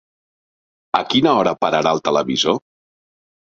A quina hora pararà el televisor?